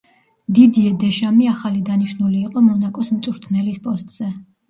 დიდიე დეშამი ახალი დანიშნული იყო მონაკოს მწვრთნელის პოსტზე.